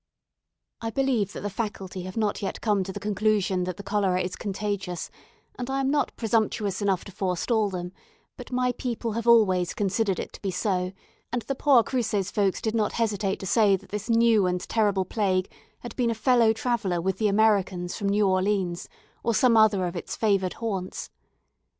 I believe that the faculty have not yet come to the conclusion that the cholera is contagious, and I am not presumptuous enough to forestall them; but my people have always considered it to be so, and the poor Cruces folks did not hesitate to say that this new and terrible plague had been a fellow traveller with the Americans from New Orleans or some other of its favoured haunts.